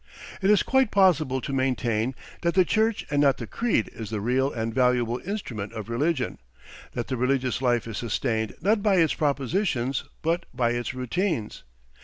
It is quite possible to maintain that the church and not the creed is the real and valuable instrument of religion, that the religious life is sustained not by its propositions but by its routines.